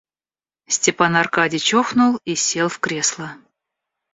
Степан Аркадьич охнул и сел в кресло.